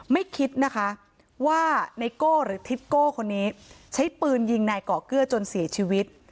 ไม่คิดนะคะว่าไนโก้หรือทิศโก้คนนี้ใช้ปืนยิงนายก่อเกลือจนเสียชีวิต